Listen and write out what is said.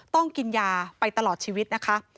ต้องกินยาไปตลอดชีวิตนะคะ